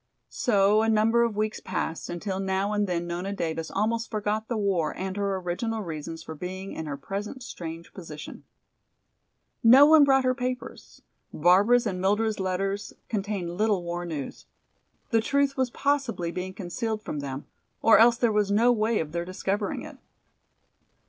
So a number of weeks passed, until now and then Nona Davis almost forgot the war and her original reasons for being in her present strange position. No one brought her papers; Barbara's and Mildred's letters contained little war news. The truth was possibly being concealed from them, or else there was no way of their discovering it.